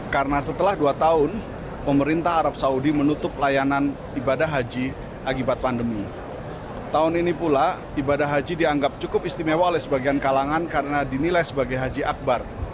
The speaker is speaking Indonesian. kuota haji dianggap cukup istimewa oleh sebagian kalangan karena dinilai sebagai haji akbar